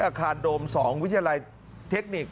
อาคารโดม๒วิทยาลัยเทคนิค